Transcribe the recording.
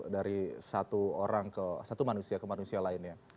dari satu manusia ke manusia lain ya